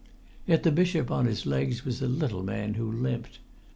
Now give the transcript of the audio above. Yet the bishop on his legs was a little man who limped.